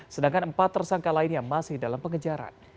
sedangkan empat tersangka lainnya masih dalam pengejaran